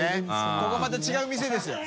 海また違う店ですよ